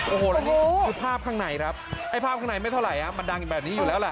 โอ้โหแล้วนี่คือภาพข้างในครับไอ้ภาพข้างในไม่เท่าไหร่มันดังอยู่แบบนี้อยู่แล้วแหละ